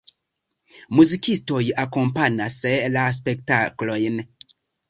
Muzikistoj akompanas la spektaklojn.